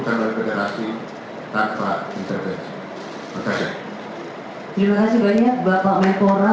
terima kasih pak pak polri